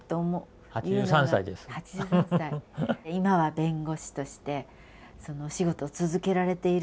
今は弁護士としてお仕事を続けられている。